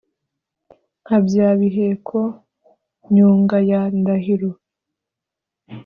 nka bya biheko nyunga ya ndahiro.